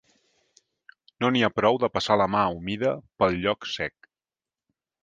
No n'hi ha prou de passar la mà humida pel lloc sec.